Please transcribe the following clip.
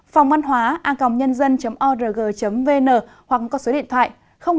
phòngvănhoa org vn hoặc có số điện thoại hai mươi bốn ba mươi hai sáu trăm sáu mươi chín năm trăm linh tám